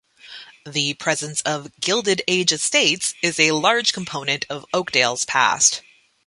The presence of Gilded Age estates is a large component of Oakdale's past.